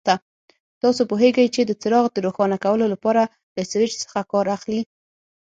تاسو پوهېږئ چې د څراغ د روښانه کولو لپاره له سویچ څخه کار اخلي.